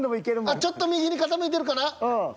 あっちょっと右に傾いてるかな？ＯＫ！